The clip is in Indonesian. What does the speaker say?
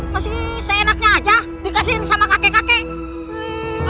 masih seenaknya aja dikasihin sama kakek kakek